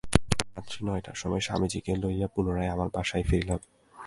রাত্রি নয়টার সময় স্বামীজীকে লইয়া পুনরায় আমার বাসায় ফিরিলাম।